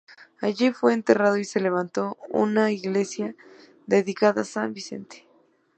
Allí fue enterrado y se levantó una iglesia dedicada a San Vicente.